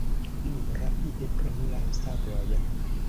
Nu, rapide, prenu la sabrojn!